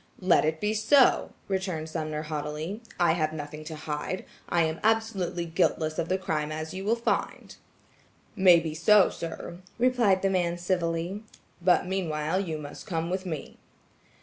"Let it be so," returned Sumner haughtily. "I have nothing to hide. I am absolutely guiltless of the crime as you will find." "Maybe so, sir," replied the man civilly. "But meanwhile you must come with me."